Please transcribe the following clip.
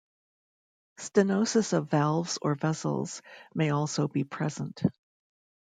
Stenosis of valves or vessels may also be present.